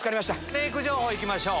メイク情報いきましょう。